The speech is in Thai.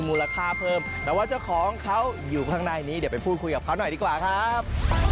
มูลค่าเพิ่มแต่ว่าเจ้าของเขาอยู่ข้างในนี้เดี๋ยวไปพูดคุยกับเขาหน่อยดีกว่าครับ